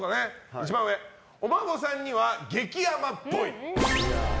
一番上、お孫さんには激甘っぽい。